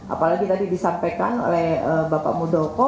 apalagi tadi disampaikan oleh bapak muldoko